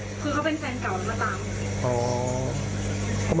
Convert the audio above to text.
อยู่ที่ตัวเองเค้าค่ะ